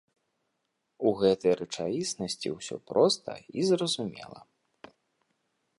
У гэтай рэчаіснасці ўсё проста і зразумела.